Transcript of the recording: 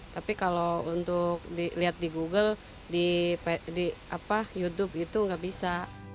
tapi kalau untuk dilihat di google di youtube itu nggak bisa